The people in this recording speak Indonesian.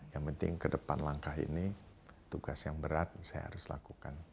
yang penting ke depan langkah ini tugas yang berat saya harus lakukan